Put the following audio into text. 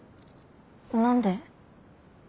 何で？